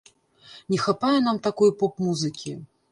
Не хапае нам такой поп-музыкі.